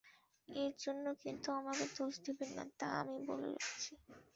এর জন্যে কিন্তু আমাকে দোষ দেবেন না তা আমি বলে রাখছি।